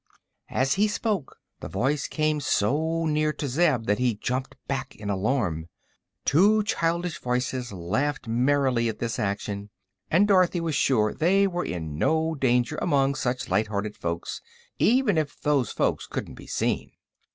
As he spoke the voice came so near to Zeb that he jumped back in alarm. Two childish voices laughed merrily at this action, and Dorothy was sure they were in no danger among such light hearted folks, even if those folks couldn't be seen.